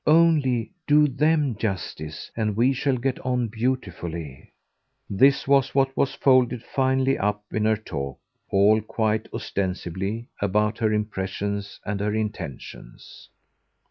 Only do THEM justice and we shall get on beautifully." This was what was folded finely up in her talk all quite ostensibly about her impressions and her intentions.